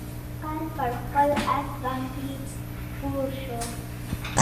مومن خان پر خپل آس باندې سپور شو.